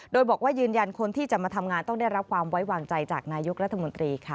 โดยบอกว่ายืนยันคนที่จะมาทำงานต้องได้รับความไว้วางใจจากนายกรัฐมนตรีค่ะ